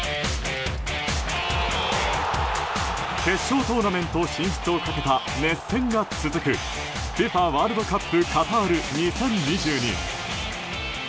決勝トーナメント進出をかけた熱戦が続くＦＩＦＡワールドカップカタール２０２２。